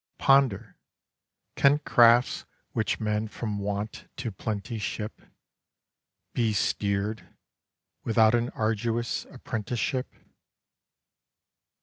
Ponder can crafts which men from want to plenty ship, Be steered without an arduous apprenticeship?